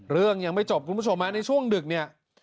เรื่องยังไม่จบคุณผู้ชมในช่วงดึกเนี่ย